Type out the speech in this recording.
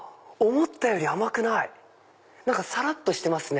思ったより甘くない何かさらっとしてますね。